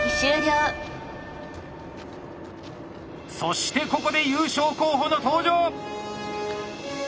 そしてここで優勝候補の登場！